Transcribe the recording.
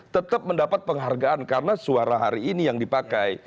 tetap mendapat penghargaan karena suara hari ini yang dipakai